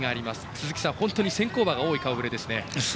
鈴木さん、本当に先行馬が多い顔ぶれですよね。